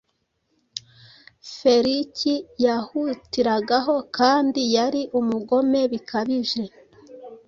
Feliki yahutiragaho kandi yari umugome bikabije